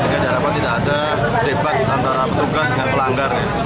kita harapkan tidak ada debat antara petugas dengan pelanggar